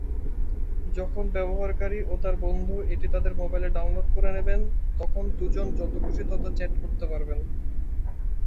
যখন ব্যবহারকারী ও তার বন্ধু এটি তাদের মোবাইলে ডাউনলোড করে নেবেন, তখন দুজন যত খুশি তত চ্যাট করতে পারবেন।